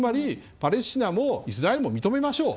パレスチナもイスラエルも認めましょう。